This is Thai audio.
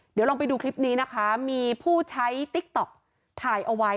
เดี๋ยวลองไปดูคลิปนี้นะคะมีผู้ใช้ติ๊กต๊อกถ่ายเอาไว้